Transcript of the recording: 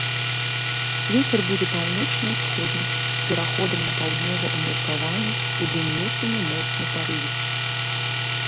Вецер будзе паўночна-ўсходні з пераходам на паўднёвы ўмеркаваны, удзень месцамі моцны парывісты.